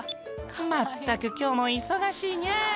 「まったく今日も忙しいニャ」